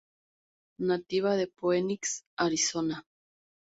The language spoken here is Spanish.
Nativa de Phoenix, Arizona.